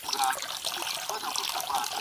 د مطالعې نسل تر ناپوه نسل ډېر ارام دی.